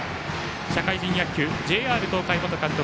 社会人野球、ＪＲ東海元監督